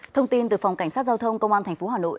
thông tin từ phòng cảnh sát giao thông công an thành phố hà nội